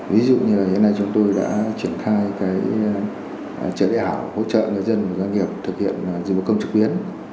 ví dụ như là hiện nay chúng tôi đã triển khai trợ lễ hảo hỗ trợ người dân và doanh nghiệp thực hiện dịch vụ công trực tuyến